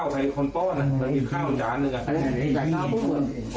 ไม่ครับ